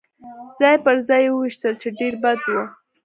ځای پر ځای يې وویشتل، چې ډېر بد و.